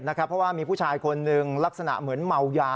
เพราะว่ามีผู้ชายคนหนึ่งลักษณะเหมือนเมายา